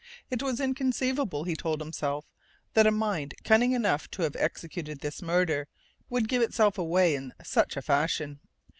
It was inconceivable, he told himself, that a mind cunning enough to have executed this murder would give itself away in such a fashion.